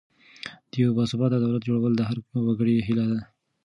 د یو باثباته دولت جوړول د هر وګړي هیله ده.